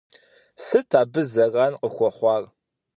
Сыт абы зэран къыхуэхъуар?